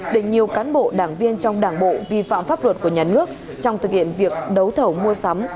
để nhiều cán bộ đảng viên trong đảng bộ vi phạm pháp luật của nhà nước trong thực hiện việc đấu thầu mua sắm